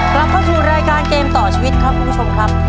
กลับเข้าชูในรายการเกมต่อชีวิตครับ